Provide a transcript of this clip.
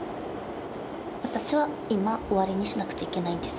私は今終わりにしなくちゃいけないんです